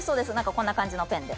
こんな感じのペンで。